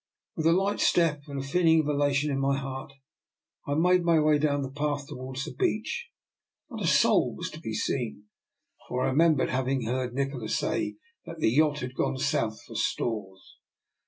With a light step and a feeling of elation in my heart, I made my way down the path towards the beach. Not a soul was to be seen, for I remembered having heard Nikola say that the yacht had gone south for stores.